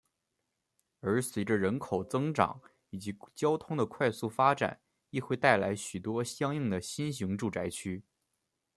而随着人口增长以及交通的快速发展亦会带来许多相应的新型住宅区。